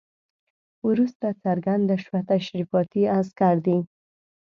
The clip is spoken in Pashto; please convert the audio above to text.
وروسته څرګنده شوه تشریفاتي عسکر دي.